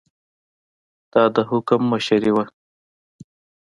دا د حکم مشري وه.